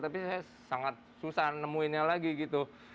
tapi saya sangat susah nemuinnya lagi gitu